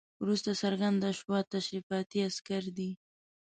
وروسته څرګنده شوه تشریفاتي عسکر دي.